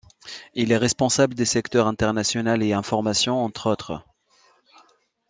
Il est responsable des secteurs international et information - entre autres.